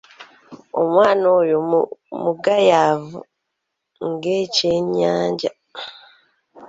Omwana oyo mugayaavu ng'ekyennyanja.